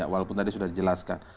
walaupun tadi sudah dijelaskan